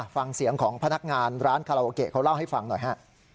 ฟังเสียงของพนักงานร้านคาราโอเกะเขาเล่าให้ฟังหน่อยฮะ